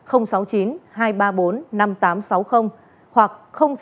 năm nghìn tám trăm sáu mươi hoặc sáu mươi chín hai trăm ba mươi hai một nghìn sáu trăm sáu mươi bảy